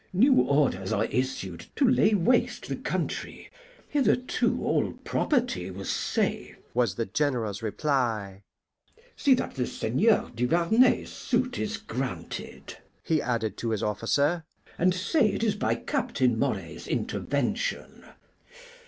"New orders are issued to lay waste the country; hitherto all property was safe," was the General's reply. "See that the Seigneur Duvarney's suit is granted," he added to his officer, "and say it is by Captain Moray's intervention.